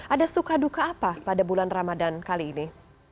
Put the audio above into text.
ada suka duka apa pada bulan ramadan kali ini